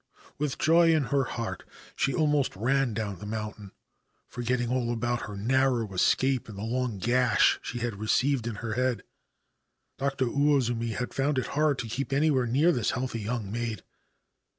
With joy in her heart, she almost ran down the mountain, forgetting all about her own narrow escape and the long gash she had received in her head. Dr. Uozumi found it hard to keep anywhere near this healthy young maid.